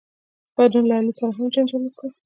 پرون له علي سره هم جنجال وکړ.